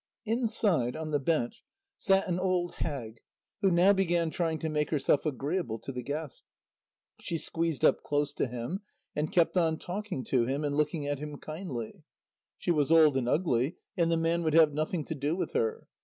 Inside on the bench sat an old hag who now began trying to make herself agreeable to the guest. She squeezed up close to him and kept on talking to him, and looking at him kindly. She was old and ugly, and the man would have nothing to do with her.